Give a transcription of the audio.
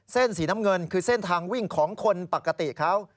เส้นสีน้ำเงินคือเส้นทางวิ่งของคนปกติเขา